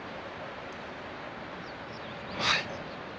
はい。